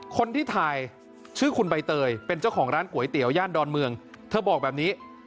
คนที่ถ่ายชื่อคุณใบเตยเป็นเจ้าของร้านก๋วยเตี๋ยวย่านดอนเมืองเธอบอกแบบนี้